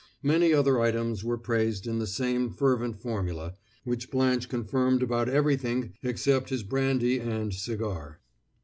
Many other items were praised in the same fervent formula, which Blanche confirmed about everything except his brandy and cigar.